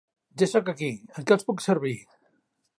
Ja soc aquí. En què els puc servir?